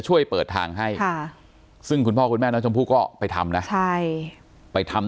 ช่วยเปิดทางให้ค่ะซึ่งคุณพ่อคุณแม่น้องชมพู่ก็ไปทำนะใช่ไปทำ